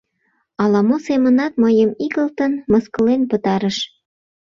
Ала-мо семынат мыйым игылтын, мыскылен пытарыш.